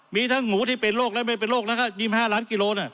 มีทั้งหมูที่เป็นโรคและไม่เป็นโรคแล้วก็๒๕ล้านกิโลนะ